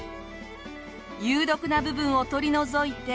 有毒な部分を取り除いて。